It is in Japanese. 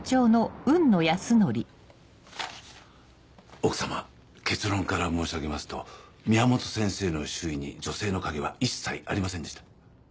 奥様結論から申し上げますと宮本先生の周囲に女性の影は一切ありませんでした。